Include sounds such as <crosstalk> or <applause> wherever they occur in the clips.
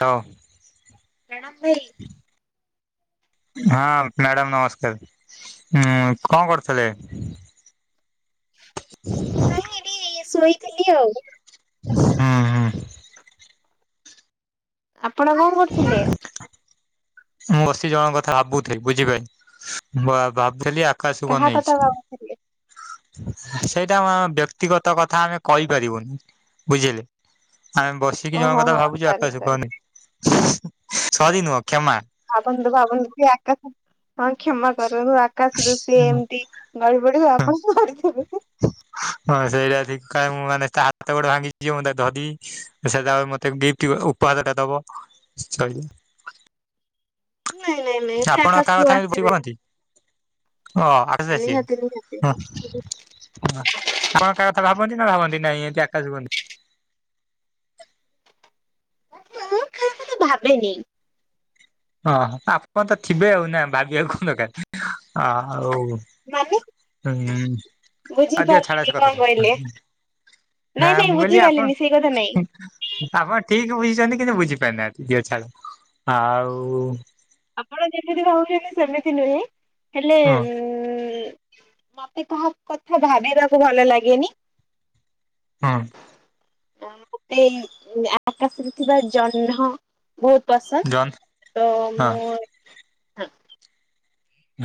ହ। ପ୍ରଣାମ ଭାଇ। <inaudible> ହଁ ମ୍ୟାଡ଼ାମ ନମସ୍କାର ଉଁ କଣ କରୁଥିଲେ? କିଛି ନାଇଁ ଏଇଟି ଶୋଇଥିଲି ଆଉ। ହୁଁ ହୁଁ। ଆପଣ କଣ କରୁଥିଲେ? ମୁଁ ବସି ଜଣଙ୍କ କଥା ଭାବୁଥିଲି ବୁଝିପାଇନି ମା ବାବୁଥିଲି ଆ କାଶ କୁ କାହା କଥା ଅନେଇଛି। ଭାବୁଥିଲେ? ସେଇଟା ଆମ ବ୍ୟକ୍ତିଗତ କଥା ଆମେ କହିପାରିବୁନି ବୁଝିଲେ। ଆମେ ବସିକି ଜଣ ଓହୋ କଥା ହୋ ଭାବୁଚୁ ସରି ଆକାଶକୁ ସରି ଅନେଇ ସରି ନୁହଁ କ୍ଷମା। ଭାବନ୍ତୁ ଭାବନ୍ତୁ କି ଆକାଶ ହଁ କ୍ଷମା କରନ୍ତୁ ଆକାଶରୁୁ ସିଏ ଏମତି ଗଳିପଡ଼ିବ ଆପଣ ପଡ଼ିଦେବେ। ହଁ ସେଇଟା ଠିକ୍ କାଳେ ମୁଁ ମାନେ ତା ହାତ ଗୋଡ଼ ଭାଙ୍ଗିଯିବ ମୁଁ ତାକୁ ଧରିବି। ସେ ତାପରେ ମତେ ଗିଫ୍ଟ ଗୋ ଉପହାର ଟା ଦବ କହିବି। ନାଇଁ ନାଇଁ ନାଇଁ ସେ ଆପଣ କାହା ଆକାଶରୁ କଥା ଏମିତି ବସିକି ଆସିବେ ଭାବନ୍ତି? ଓ ଆଠସ ଅସି ନିହାତି ନିହାତି। ହଁ ହଁ। ଆପଣ କାଆ କଥା ଭାବନ୍ତି ନା ଭାବନ୍ତି ନାଇଁ ଏମିତି ଆକାଶକୁ ଅନେଇ? ମୁଁ କାହାକଥା ଭାବେନି। ହଁ ଆପଣ ତ ଥିବେ ଆଉ ନା ଭାବିବାକୁ କଣ ଦରକାର ଆ ଆଉ ମାନେ ଉଁ ହ ଦିଅ ଛାଡ଼ ବୁଝିପାରିଲିନି ସେ କଣ କଥା କହିଲେ? ଛାଡ଼। ନା ନାଇଁ ନାଇଁ ମୁଁ କହିଲି ଆପଣ ବୁଝିପାରିଲିନି ସେଇ କଥା ନାଇଁ ଆପଣ ଠିକି ବୁଝିଛନ୍ତି କିନ୍ତୁ ବୁଝି ପାରିନାହାନ୍ତି ଦିଅ ଛାଡ଼ ଆଉ ଆପଣ ଯେତେବି ଭାବୁଛନ୍ତି ସେମିତି ନୁହେଁ ହେଲେ ହଁ ଉଁ ମତେ କାହା କଥା ଭାବିବାକୁ ଭଲ ଲାଗେନି। ହୁଁ। ଆ ମୋତେ ଆକାଶରେ ଥିବା ଜହ୍ନ ବହୁତ ପସନ୍ଦ ଜନ୍ ତ ହଁ ମୁଁ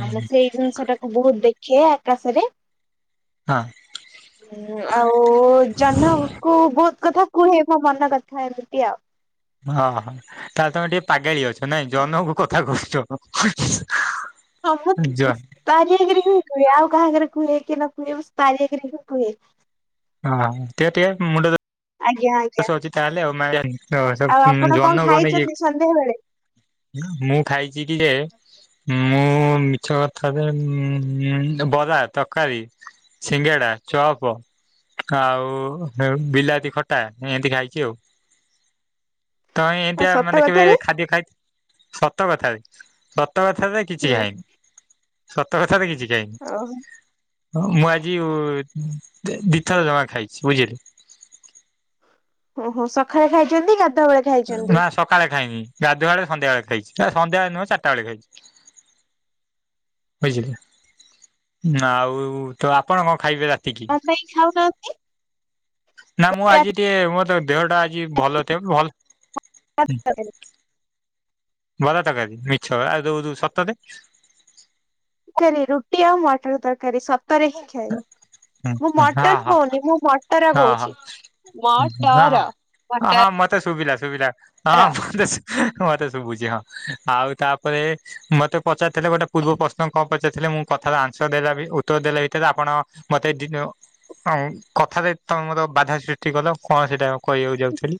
ଆ ମୁଁ ସେଇ ଜିନିଷ ଟାକୁ ବହୁତ ଦେଖେ ଆକାଶରେ। ହାଁ ହଁ ଆଉ ଜହ୍ନକୁ ବହୁତ୍ କଥା କୁହେ ମୋ ମନ କଥା ଏମିତି ଆଉ। ହଁ ତାହେଲେ ତମେ ଟିକେ ପାଗେଳି ଅଛ ନାଇଁ ଜହ୍ନକୁ କଥା କହୁଛ। ଜ <unintelligible> ତାରି ଆଗରେ ହିଁ କୁହେ। ଆଉ କାହା ଆଗରେ କୁହେ କି ନ କୁହେ ବାସ୍ ତାରି ଆଗରେ ହିଁ କୁହେ। ହଁ ଟିକେ ଟିକେ ମୁଣ୍ଡ ଦୋ ଆଜ୍ଞା। ଆଜ୍ଞା ଅଛି ତାହେଲେ ଆଉ ଆଉ ଆପଣ <unintelligible> କଣ ଜହ୍ନକୁ ଖାଇଛନ୍ତି ଅନେଇକି ସନ୍ଧ୍ୟା ବେଳେ ମୁଁ ଖାଇଛି କି ଯେ ମୁଁ ମିଛ କଥା ରେ ବରା, ତରକାରୀ ସିଙ୍ଗେଡା, ଚପ ଆଉ ବିଲାତି ଖଟା ଏନ୍ତି ଖାଇଛି ଆଉ। ତମେ ଆଉ ଏମତିଆ ସତ ମାନେ କେବେ କଥାରେ? ଖାଦ୍ୟ ଖାଇ ସତ କଥା ସ ସତ କଥାରେ କିଛି ହୁଁ ଖାାଇନି ସତ କଥାରେ କିଛି ଖାଇନି। ଓହୋ ହଁ ମୁଁ ଆଜି ଦିଥର ଜମା ଖାଇଛି ବୁଝିଲେ। ଓହୋ ସଖାଳେ ଖାଇଛନ୍ତି ଗାଧୁଆ ବେଳେ ଖାଇଛନ୍ତି। ନା ସକାଳେ ଖାଇନି ଗାଧୁଆ ବେଳେ ସନ୍ଧ୍ୟା ବେଳେ ଖାଇଛି ସନ୍ଧ୍ୟା ବେଳେ ନୁହେଁ ଚାରିଟା ବେଳେ ଖାଇଛି। ଆଉ ତ ଆପଣ କଣ ଖାଇବେ ରାତିକି? କାଇଁ ଖାଉନାହାନ୍ତି? ନା ମୁଁ ଆଜି ଟିକେ ମୋର ଦେହଟା ଆଜି ଭଲ ଥି ଭଲ <unintelligible> ବରା, ତରକାରି ମିଛ ଆଉ ଯୋଉ-ଯୋଉ ସତରେ କାରୀ ରୁଟି ଆଉ ମଟର ତରକାରୀ ସତରେ ହିଁ ଖାଇବି। ହଁ ମୁଁ ମଟନ ହଁ ହଁ କହୁନି ମୁଁ ମଟର ହଁ କହୁଛି ହଁ। ମଟର। ହଁ ମଟର। ମୋତେ ଶୁଭିଲା ଶୁଭିଲା ହଁ ମୋତେ ମୋତେ ଶୁଭୁଚି ହଁ। ଆଉ ତାପରେ ମୋତେ ପଚାରିଥିଲେ ଗୋଟେ ପୂର୍ବ ପ୍ରଶ୍ନ କଣ? ପଚାରିଥିଲେ ମୁଁ କଥାର ଆନସର ଦେଇଥାନ୍ତି ଉତ୍ତର ଦେଇଥିଲେ ଆପଣ ମୋତେ <unintelligible> ହଁ କଥାରେ ତମେ ମୋର ବାଧା ସୃଷ୍ଟି କଲ କଣ ସେଇଟା କହିବାକୁ ଯାଉଥେଲି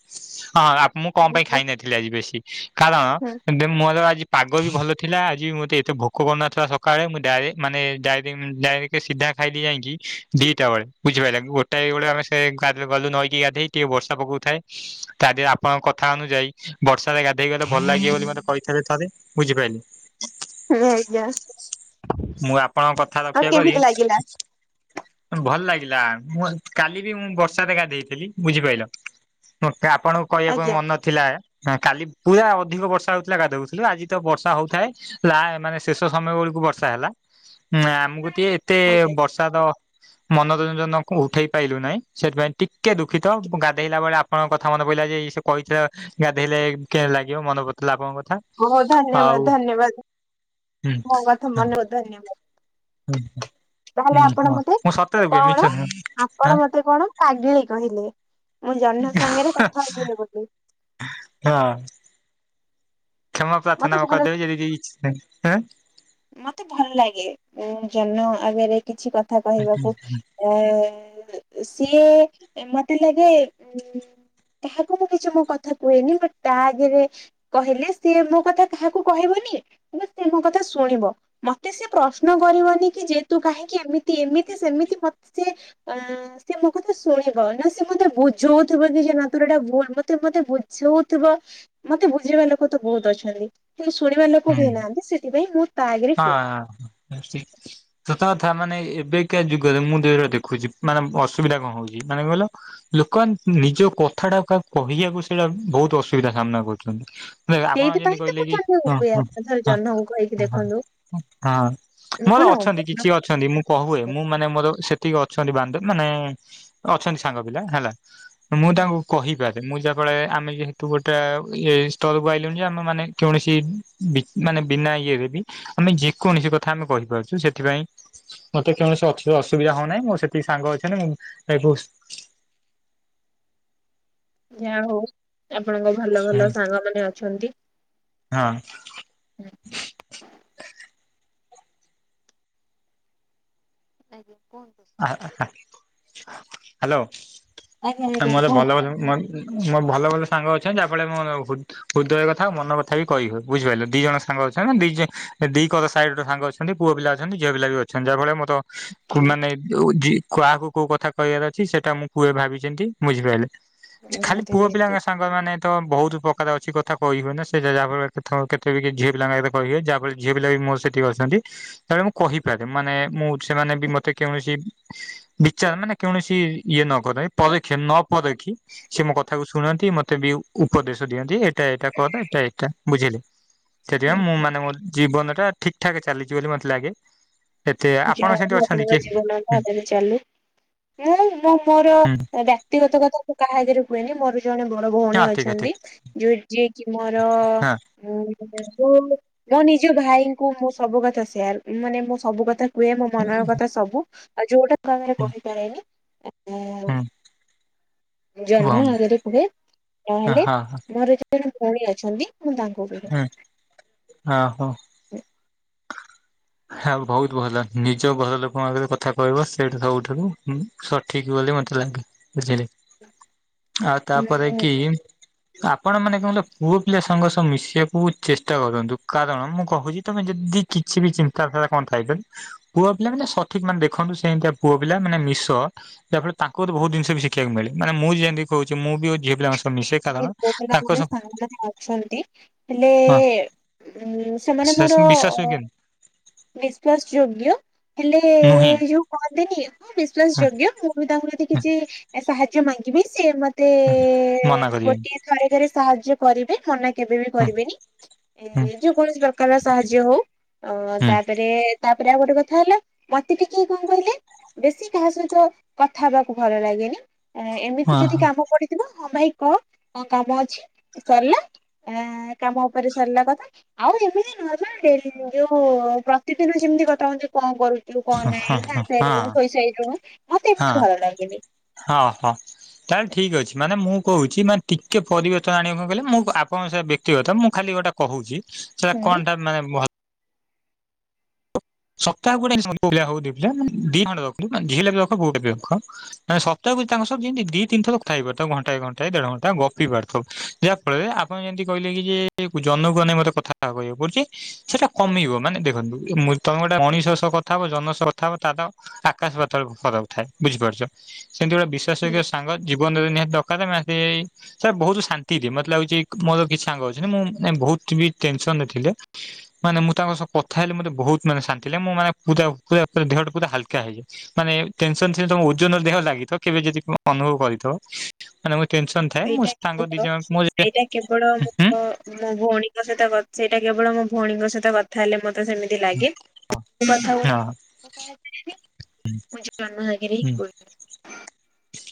ହଁ - ମୁଁ କଣ ପାଇଁ ଖାଇନଥିଲି ଆଜି ବେଶୀ କାରଣ ମୋର ଆଜି ପାଗ ବି ଭଲ ଥିଲା ଆଜି ବି ମୋତେ ଏତେ ଭୋକ କରୁନଥିଲା ସକାଳେ ମୁଁ ଡାଇରେକ୍ଟ ମାନେ ଡାଇ ଡାଇରେକ୍ଟ ସିଧା ଖାଇଲି ଯାଇକି ଦିଟା ବେଳେ ବୁଝି ପାରିଲ ଗୋଟାଏ ବେଳେ ଆମେ ସେ ଗାଡ଼ିରେ ଗଲୁ ନଈକି ଗାଧେଇ। ଟିକେ ବର୍ଷା ପକାଉଥାଏ। ତା ଦେହରେ ଆପଣଙ୍କ କଥା ଅନୁଯାୟୀ ବର୍ଷାରେ ଗାଧେଇ ଗଲେ ଭଲ ଲାଗିବ ବୋଲି ମୋତେ କହିଥିଲେ ଥରେ। ବୁଝି ପାଇଲ। ସେ ଆଜ୍ଞା ମୁଁ ଆପଣଙ୍କ କଥା ଆଉ ରକ୍ଷା କେମିତି ଲାଗିଲା କରିବି ଭଲ ଲାଗିଲା ମୁଁ କାଲି ବି ମୁଁ ବର୍ଷା ଗାଧେଇ ଦେଇଥିଲି ବୁଝିପାରଲ ମୋତେ ଆପଣଙ୍କୁ କହିବାକୁ ଆଜ୍ଞା ମନ ଥିଲା କାଲି ପୁରା ଅଧିକ ବର୍ଷା ହଉଥିଲା ଗାଧୋଉଥିଲୁ ଆଜି ତ ବର୍ଷା ହଉଥାଏ ପ୍ରାୟ ଶେଷ ସମୟ ବେଳକୁ ବର୍ଷା ହେଲା ଉ ଆମକୁ ଟିକେ ଏତେ ଆଜ୍ଞା। ବର୍ଷାର ମନୋରଞ୍ଜନ କୁ ଉଠେଇ ପାଇଲୁ ନାହିଁ ସେଥିପାଇଁ ଟିକେ ଦୁଃଖିତ ମୁଁ ଗାଧୋଇଲା ବେ ଆ - କଣ କଥା ମନେ ପଇଲା ଯେ ସେ କହିଥିଲା ଗାଧୋଇଲେ କେ ଲାଗିବ ମନେ ପେଇଲା ଆପଣଙ୍କ କଥା ହଁ ଧନ୍ୟବାଦ ଆଉ ଧନ୍ୟବାଦ ହୁଁ ମୋ କଥ ମନ ଧନ୍ୟବାଦ ହୁଁ ହୁଁ ତାହେଲେ ଆପଣ ମୋତେ କଣ ନୁହେଁ ହଁ ଆପଣ ମୋତେ କଣ ପାଗିଳୀ କହିଲେ ମୁଁ ଜହ୍ନ ସାଙ୍ଗରେ କଥା ହେବି ବୋଲି ହଁ କ୍ଷମା ମତେ ପ୍ରାର୍ଥନା ଭଲ କରିଦେବେ ଯଦି ମୋତେ ଭଲ ଲାଗେ ଉ ଜହ୍ନ ଆଗରେ କିଛି କଥା କହିବାକୁ ଏ ସିଏ ମତେ ଲାଗେ କାହାକୁ ମୁଁ କିଛି ମୋ କଥା କୁହେନି ବଟ ତା ଆଗରେ କହିଲେ ସିଏ ମୋ କଥା କାହାକୁ କହିବନି କିନ୍ତୁ ସିଏ ମୋ କଥା ଶୁଣିବ। ମତେ ସେ ପ୍ରଶ୍ନ କରିବନି କି ଯେତୁ କାହିଁକି ଏମିତି ଏମିତି ସେମିତି ମତେ ସେ ଅ ସେ ମୋ କଥା ଶୁଣିବ ନା ସେ ମତେ ବୁଝଉଥିବ କି ତୋର ଏଇଟା ଭୁଲ ମତେ ମତେ ବୁଝଉଥିବ। ମତେ ବୁଝିବା ଲୋକ ତ ବହୁତ ଅଛନ୍ତି କିନ୍ତୁ ଶୁଣିବା ଲୋକ କେହି ନାହାନ୍ତି ସେଥିପାଇଁ ମୁଁ ତା ଆଗରେ କୁହେ। ହଁ ସତ କଥା ମାନେ ଏବେକା ଯୁଗରେ ମୁଁ ଯୋରା ଦେଖୁଛି ମାନେ ଅସୁବିଧା କଣ ହଉଛି ମାନେ କହିଲ ଲୋକମାନେ ନିଜ କଥା ଟା କା କହିବାକୁ ସେଇଟା ବହୁତ ଅସୁବିଧା ସାମ୍ନା କରୁଛନ୍ତି। ନା ଆପଣ ସେଇଥିପାଇଁ ଯେମିତି ତ ମୁଁ କହିଲେ କି ଜହ୍ନକୁ କୁହେ ଆପଣ ଥରେ ଜହ୍ନକୁ କହିକି <unintelligible> ଦେଖନ୍ତୁ ହଁ ମୋର କଣ ଅଛନ୍ତି କିଛି ଅଛନ୍ତି ମୁଁ କହୁଏ ମୁଁ ମାନେ ମୋର ସେତିକି ଅଛନ୍ତି ବାନ୍ଧ ମାନେ ଅଛନ୍ତି ସାଙ୍ଗ ପିଲା ହେଲା। ମୁଁ ତାଙ୍କୁ କହିପାରେ ମୁଁ ଯାହା ଫଳେ ଆମେ ଯେହେତୁ ଗୋଟେ ଏଇ ସ୍ତରକୁ ଆଇଲୁଣି ଯେ ଆମେ ମାନେ କୌଣସି ବି ମାନେ ବିନା ଇଏରେ ବି ଆମେ ଯେକୌଣସି କଥା ଆମେ କହିପାରୁଛୁ ସେଥିପାଇଁ ମତେ କୌଣସି ଅସ ଅସୁବିଧା ହଉନାହିଁ ମୋ ସେତିକି ସାଙ୍ଗ ଅଛନ୍ତି ମୁଁ ଏଇ ବୁସ ଯା ହଉ ଆପଣଙ୍କ ଭଲ ଭଲ ସାଙ୍ଗ ମାନ ଅଛନ୍ତି। ହଁ। ଆଜ୍ଞା କୁହନ୍ତୁ। <unintelligible> ଆଜ୍ଞା ଆଜ୍ଞା ମୋ କୁହନ୍ତୁ ଭଲ ଭଲ ସାଙ୍ଗ ଅଛନ୍ତି ଯାହାଫଳରେ ମୁଁ ହୃ ହୃଦୟ କଥା ଆଉ ମନ କଥା ବି କହି ହୁଏ ବୁଝିପାଇଲ ଦି ଜଣ ସାଙ୍ଗ ଅଛନ୍ତି ଦି ଦି କ କର ସାଇଡ ର ସାଙ୍ଗ ଅଛନ୍ତି। ଅଛନ୍ତି ପୁଅ ପିଲା ଅଛନ୍ତି ଝିଅିଲା ବି ଅଛନ୍ତି ଯାହା ଫଳରେ ମୋର କୁ ମାନେ ଯୋଉ ଦି କାହାକୁ କୋଉ କଥା କହିବାର ଅଛି ସେଟା ମୁଁ କୁଏ ଭାବିଚିନ୍ତି ବୁଝିପାଇଲେ। ଖାଲି ନିହାତି ପୁଅ ପିଲାଙ୍କ ନିହାତି ସା ମାନେ ତ ବହୁତ ପ୍ରକାର ଅଛି କଥା କହିହୁଏନା ସେ ଯାଫଳରେ କେତେ ବି ଝିଅ ପିଲାଙ୍କ ଆଗରେ କହିବେ ଯାହା ଫଳରେ ଝିଅ ପିଲା ବି ମୋର ସେଠକି ଅଛନ୍ତି ତା ମୁଁ କହିପାରେ ମାନେ ମୁଁ ସେମାନେ ବି ମତେ କୌଣସି ବିଚାର ମାନେ କୌଣସି ଇଏ ନକରେ ପରଖି ନ ପରଖି ସେ ମୋ କଥାକୁ ଶୁଣନ୍ତି ମତେ ବି ଉପଦେଶ ଦିଅନ୍ତି ଏ ଏଟା ଏଇଟା କରଦେ ଏଟା ଏଇଟା ବୁଝିଲେ ସେଥିପାଇଁ ମୁଁ ମାନେ ମୋ ଜୀବନ ଟା ଠିକ ଠାକ ଚାଲିଛି ବୋଲି ମତେ ଲାଗେ ଏତେ ଯାହା ଆପଣ ସେମିତି ହଉ ଅଛନ୍ତି କି <unintelligible> ହୁଁ ମୁଁ ମୋର ହୁଁ ବ୍ୟକ୍ତିଗତ କଥା କୁ କାହା ଆଗରେ କୁହେନି ମୋର ଜଣେ ବଡ ଭଉଣୀ ହଁ ଠିକ ଅଛନ୍ତି ଠିକ ଯୋଉ ଯିଏ କି ମୋର ହଁ <unintelligible> ମୋ ନିଜ ଭାଇଙ୍କୁ ମୁଁ ସବୁ କଥା ସେୟାର ମାନେ ମୋ ସବୁ କଥା କୁହେ ମୋ ମନର କଥା ସବୁ ଆଉ ଯୋଉଟା କାହା ଆଗରେ କହିପାରେନି ତାକୁ ହୁଁ ଜହ୍ନ ଭଉଣୀ ଆଗରେ କୁହେ ହଁ ନହେଲେ ହଁ ମୋର ମୋର ଜଣେ ଭଉଣୀ ଅଛନ୍ତି ମୁଁ ତାଙ୍କୁ କୁହେ। ଓ ହୋ। ଆଉ ବହୁତ ଭଲ ନିଜ ଘର ଲୋକଙ୍କ ଆଗରେ କଥା କହିବ ସେଇଠା ସବୁଠାରୁ ଉଁ ସଠିକ ବୋଲି ମୋତେ ଲାଗେ। ବୁଝିଲେ। ଆଉ ତାପରେ କି ଆପଣ ମାନେ କଣ ଲ ପୁଅ ପିଲା ସାଙ୍ଗ ସହ ମିଶିବାକୁ ଚେଷ୍ଟା କରନ୍ତୁ କାରଣ ମୁଁ କହୁଛି ତମେ ଯଦି କିଛି ବି ଚୀନ୍ ନ୍ତା ଫିନ୍ତା କଣ ଥାଏ ପୁଅ ପିଲା ମାନେ ସଠିକ ମାନେ ଦେଖନ୍ତୁ ସେମିତିଆ ପୁଅ ପିଲା ମାନେ ମିଶ ଦେଖ ତାଙ୍କ କତିରୁ ବହୁତ ଜିନିଷ ବି ସିଖିବାକୁ ମିଳେ ମାନେ ମୁଁ ବି ଯେମିତି କହୁଛି ମୁଁ ବି ଝିଅ ପିଲାଙ୍କ ସହ ମିଶେ <unintelligible> କାରଣ ତାଙ୍କ ସହ ଅଛନ୍ତି ହେଲେ ହଁ ସେମାନେ ମୋର ବିଶ୍ୱାସ ଯୋଗ୍ୟନି ବିଶ୍ୱାସ ଯୋଗ୍ୟ ହେଲେ ଏ ନୁହେଁ ଯୋଉ କହନ୍ତିନି ମୁଁ ବିସ୍ ବିଶାସ ଯୋଗ୍ୟ ମୁଁ ବି ତାଙ୍କୁ ବି ଯଦି କିଛି ସାହାଯ୍ୟ ମାଗିବି ସିଏ ମତେ ଏ ମନା କରିବେନି ଗୋଟିଏ ଥରକରେ ସାହାଯ୍ୟ କରିବେ ମନା କେବେ ବି ହୁଁ କରିବେନି। ଏ ହୁଁ ଯେକୌଣସି ପ୍ରକାରର ସାହାଯ୍ୟ ହଉ। ଅଁ ହୁଁ ତାପରେ ତାପରେ ଆଉ ଗୋଟେ କଥା ହେଲା। ମତେ ଟିକେ କଣ କହିଲେ? ବେଶୀ କାହା ସହିତ କଥା ହବାକୁ ଭଲ ଲାଗେନି। ଏ ଏମିତି ଯଦି ହଁ କାମ ପଡିଥିବ। ହଁ ଭାଇ କହ କଣ କାମ ଅଛି ସରିଲା ଏ କାମ ଉପରେ ସରିଲା କଥା। ଆଉ ଏମିତି ନର୍ମାଲ ଡେଲି ଯୋଉ ପ୍ରତିଦିନ ଯେମିତି କଥା ହୁଅନ୍ତି କଣ କରୁ ଥିଲୁ କଣ ନାହିଁ ହଁ ହଁ ହଁ ଖାଇସାଇଲୁଣୁ, ଶୋଇସାଇଲୁଣୁ, ମତେ ହଁ ଏମିତି ଭଲଲାଗେନି। ହଁ ହଁ। ତାହେଲେ ଠିକ୍ ଅଛି ମାନେ ମୁଁ କହୁଛି ମାନେ ଟିକେ ପରିବର୍ତ୍ତନ ଆଣିବେ କଣ କହିଲେ? ମୁଁ ଆପଣଙ୍କ ସହ ବ୍ୟକ୍ତିଗତ ମୁଁ ଖାଲି ଗୋଟେ। କହୁଛି ସେଟା ହୁଁ କଣଟା ମାନେ ମ ସପ୍ତାହକୁ ଗୋଟେ <unintelligible> ପୁଅପିଲା ହଉ ଝିଅପିଲା ମାନେ ଦି ଟା ଖଣ୍ଡେ ରଖିଲୁ ମାନେ ଝୀ ଲାଗି ରଖ୍ ପୁଅ ଟା ବି ରଖ୍। ମାନେ ସପ୍ତାହକୁ ତାଙ୍କ ସହ ଯେମିତି ଦି ତିନିଥର କଥା ହେଇପାରୁଥିବ ଘଣ୍ଟାଏ ଘଣ୍ଟାଏ ଦେଢଘଣ୍ଟା ଗପିପାରୁଥବ। ଯାହା ଫଳରେ ଆପଣ ଯେମିତି କହିଲେ କି ଯେ ଜହ୍ନକୁ ଅନେଇ ମତେ କଥାବାର୍ତ୍ତା କରିବାକୁ ପଡୁଛି। ସେଟା କମିବ ମାନେ ଦେଖନ୍ତୁ ଏ ମୁଁ ତମେ ଗୋଟେ ମଣିଷ ସହ କଥା ହବ ଜହ୍ନ ସହ କଥା ହବ ତାର ଆକାଶ ପାତାଳ ଫରକ ଥାଏ ବୁଝିପାରୁଛ। ସେମିତି ଗୋଟେ ବିଶ୍ୱାସ ଯୋଗ୍ୟ ସାଙ୍ଗ ଜୀବନରେ ନିହାତି ଦରକାର ମାନେ ଏଇ ସେ ବହୁତ ଶାନ୍ତି ଦିଏ ମତେ ଲାଗୁଛି ମୋର କିଛି ସାଙ୍ଗ ଅଛନ୍ତି ମୁଁ ଏ ବହୁତ ବି ଟେନସନ ରେ ଥିଲେ। ମାନେ ମୁଁ ତାଙ୍କ ସହ କଥା ହେଲେ ମତେ ବହୁତ ମାନେ ଶାନ୍ତି ଲାଗେ। ମୁଁ ମାନେ <unintelligible> ପୁରା ଦେହଟା ପୁରା ହାଲକା ହେଇଯାଏ। ମାନେ ଟେନସନ ଥିଲେ ତମ ଓଜନ ରେ ଦେହ ଲାଗିଥିବ କେବେ ଯଦି କ ଅନୁଭବ କରିଥିବ ମାନେ ମୁଁଇ ଟେନସନ। ଥାଏ ମୋ ସେଇଟା ସାଙ୍ଗ ଦି କେବଳ ଜଣ ମୁଁ ସେଇଟା କେବଳ ହୁଁ ମୋ ମୋ ଭଉଣୀ। ମୋ ସହିତ କ ସେଇଟା କେବଳ ମୋ ଭଉଣୀଙ୍କ ସହିତ କଥା ହେଲେ ମତେ ସେମି ଶାନ୍ତି ଲାଗେ କଥାଗୁଡା। ହଁ <unintelligible> ମୁଁ ଜହ୍ନ ଆଗରେ ହିଁ କୁହେ।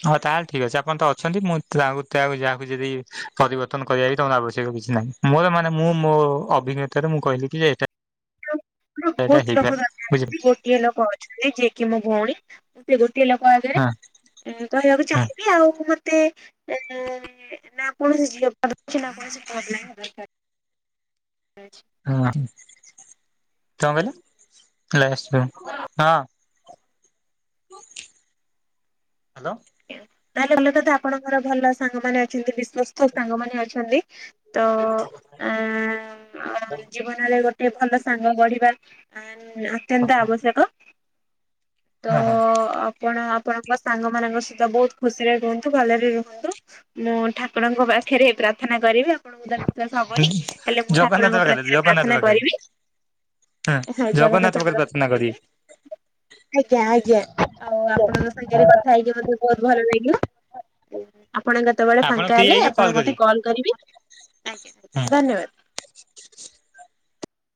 ହଁ ତାହେଲେ ଠିକ ଅଛି ଆପଣ ତ ଅଛନ୍ତି ମୁଁ ତାକୁ ଯାହାକୁ ଯଦି ପରିବର୍ତ୍ତନ କରିବା ବି ତମର ଆବଶ୍ୟକ କିଛି ନାହିଁ। ମୋର ମାନେ ମୁଁ ମୋ ଅଭିଜ୍ଞତାରେ ମୁଁ କହିଲି କି ଯେ ଏଟା। <unintelligible> ବହୁତ୍ ଲୋକ ବୁଝିଲେ ଗାଧାନ୍ତି ବ ଗୋଟିଏ ଲୋକ ଅଛନ୍ତି ଯିଏକି ମୋ ଭଉଣୀ ମୁଁ ସେ ଗୋଟିଏ ଲୋକ ଆଗରେ। ହଁ ଏ ହଁ କହିବାକୁ ଚାହିଁବି ଆଉ ମତେ ଏ। ନା କୌଣସି ଝିଅ ପିଲା ଦରକାର ଅଛି ନା କୌଣସି ପୁଅପିଲା ଦରକାର ଅଛି। ହଁ ହଁ। କଣ କହିଲ? କ୍ଲାସ୍ ରୁମ ହଁ। ହାଲୋ। ତାହେଲେ ଭଲକଥା ଆପଣଙ୍କର ଭଲ ସାଙ୍ଗମାନେ ଅଛନ୍ତି ବିଶ୍ଵସ୍ତ ସାଙ୍ଗ ମାନେ ଅଛନ୍ତି। ତ ଆମ ଆମ୍ ଜୀବନରେ ଗୋ ଟେ ଭଲ ସାଙ୍ଗ ଗଢିବା ଆଁନ ଅତ୍ୟନ୍ତ ଆବଶ୍ୟକ। ତ ହଁ ହଁ ଆପଣ ଆପଣଙ୍କ ସାଙ୍ଗ ମାନଙ୍କ ସ ତ ବହୁତ ଖୁସିରେ ରୁହନ୍ତୁ ଭଲରେ ରୁହନ୍ତୁ ମୁଁ ଠାକୁରଙ୍କ ପାଖରେ ପ୍ରାର୍ଥନା କରିବି ଆ ଆପଣଙ୍କୁ ତ ବିଶ୍ୱାସ ହବନି ହେଲେ ମୁଁ ଜଗନ୍ନାଥ ଠାକୁରଙ୍କ ପାଖରେ ଜଗନ୍ନାଥ ପ୍ରାର୍ଥନା ପାଖରେ କରିବି। ହଁ ଜଗନ୍ନାଥ ପାଖରେ ଆମର ଦୁଃଖ ପ୍ରାର୍ଥନା ଶୁଣିବେ। କରିବେ ଆଜ୍ଞା ଆଜ୍ଞା ଆଉ ଆପଣଙ୍କ ସାଙ୍ଗରେ କଥା ହେଇକି ମତେ। ବହୁତ ଭଲ ଲାଗିଲା ଉଁ ଆପଣ କେତେବେଳେ ଆପଣ ଫାଙ୍କା ଫ୍ରି ହେଲେ ହେଇକି ଆପଣ ମତେ କରିବେ। କଲ୍। କରିବି ଆଜ୍ଞା ଆଜ୍ଞା ଧନ୍ୟବାଦ।